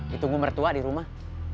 ditunggu mertua di rumah